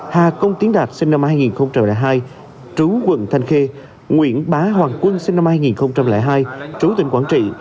hà công tiến đạt sinh năm hai nghìn hai trú quận thanh khê nguyễn bá hoàng quân sinh năm hai nghìn hai trú tỉnh quảng trị